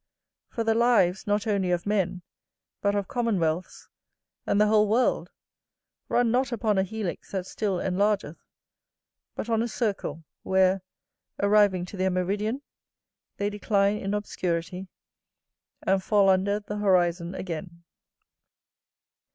For the lives, not only of men, but of commonwealths and the whole world, run not upon a helix that still enlargeth; but on a circle, where, arriving to their meridian, they decline in obscurity, and fall under the horizon again.